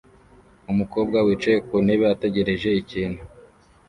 Umukobwa wicaye ku ntebe ategereje ikintu